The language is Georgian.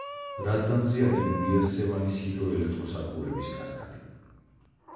რაზდანზე აგებულია სევანის ჰიდროელექტროსადგურების კასკადი.